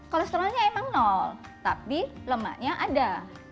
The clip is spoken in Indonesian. kolesterolnya emang nol tapi lemaknya ada